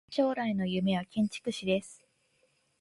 将来の夢は建築士です。